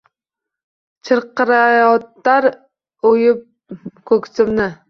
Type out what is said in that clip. Chirqiratar oʻyib koʻksimni